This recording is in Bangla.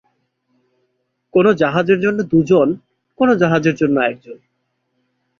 কোনো জাহাজের জন্য দুজন, কোনো জাহাজের জন্য একজন।